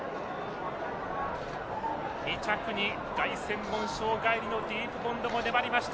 ２着に凱旋門賞帰りのディープボンドも粘りました。